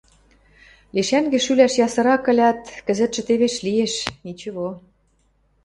Лешӓнгӹ шӱлӓш ясырак ылят, кӹзӹтшӹ тевеш лиэш, ничего.